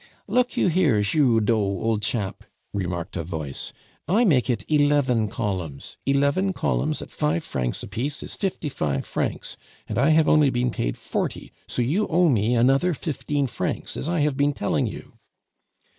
"Look you here, Giroudeau, old chap," remarked a voice, "I make it eleven columns; eleven columns at five francs apiece is fifty five francs, and I have only been paid forty; so you owe me another fifteen francs, as I have been telling you."